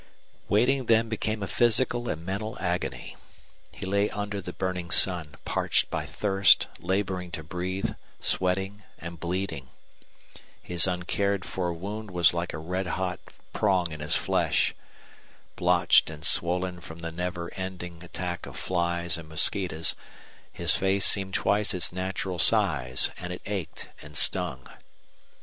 Waiting then became a physical and mental agony. He lay under the burning sun, parched by thirst, laboring to breathe, sweating and bleeding. His uncared for wound was like a red hot prong in his flesh. Blotched and swollen from the never ending attack of flies and mosquitoes his face seemed twice its natural size, and it ached and stung.